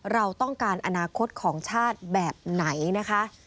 เราต้องการอนาคตของชาติแบบไหนนะคะ